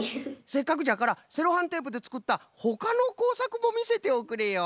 せっかくじゃからセロハンテープでつくったほかのこうさくもみせておくれよ！